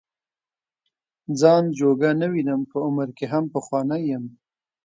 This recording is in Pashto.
ځان جوګه نه وینم په عمر کې هم پخوانی یم.